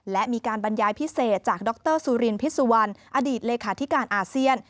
และมีการบรรยายพิเศษจากดรสุรินพิษสุวรรณอดีตเลขาธิการอาเซียน